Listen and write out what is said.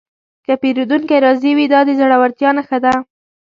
که پیرودونکی راضي وي، دا د زړورتیا نښه ده.